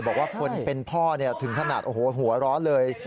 บอกว่าคนเป็นพ่อถึงขนาดโอ้โหหัวร้อนเลย